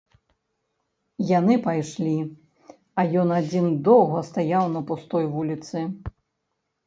Яны пайшлі, а ён адзін доўга стаяў на пустой вуліцы.